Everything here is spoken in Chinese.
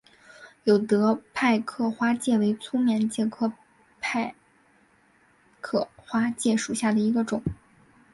有德派克花介为粗面介科派克花介属下的一个种。